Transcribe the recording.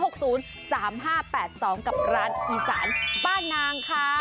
กับร้านอีสานป้านางค่ะ